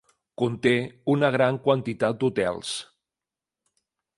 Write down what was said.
Conté una gran quantitat d'hotels.